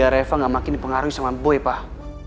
reva gak makin dipengaruhi sama boy pak